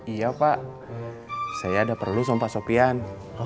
iya pak saya ada perlu sumpah sopian